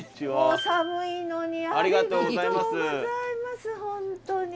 お寒いのにありがとうございます本当に。